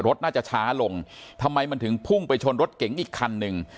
รถน่าจะช้าลงทำไมมันถึงพุ่งไปชนรถเก๋งอีกคันหนึ่ง